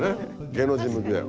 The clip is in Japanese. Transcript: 芸能人向きだよ。